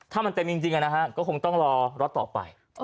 ถ้ามันเต็มจริงก็คงต้องรอรถต่อไป